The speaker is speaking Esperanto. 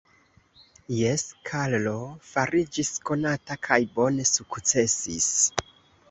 Jes, Karlo fariĝis konata kaj bone sukcesis.